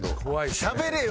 しゃべれよ！